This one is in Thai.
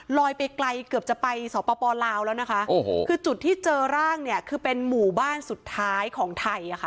ลอยไปไกลเกือบจะไปสปลาวแล้วนะคะโอ้โหคือจุดที่เจอร่างเนี่ยคือเป็นหมู่บ้านสุดท้ายของไทยอ่ะค่ะ